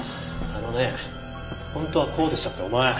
あのね「本当はこうでした」ってお前。